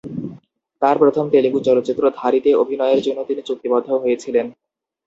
তাঁর প্রথম তেলুগু চলচ্চিত্র "ধারী"-তে অভিনয়ের জন্য তিনি চুক্তিবদ্ধ হয়েছিলেন।